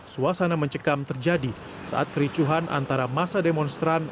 suasana mencekam terjadi saat kericuhan antara masa demonstran